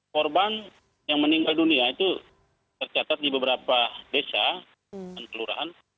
korban yang meninggal dunia itu tercatat di beberapa desa dan kelurahan